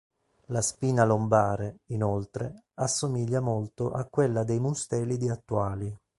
La spina lombare, inoltre, assomiglia molto a quella dei mustelidi attuali.